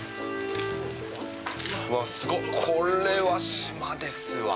うわっ、すご、これは島ですわ。